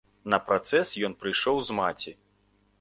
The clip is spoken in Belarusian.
На працэс ён прыйшоў з маці.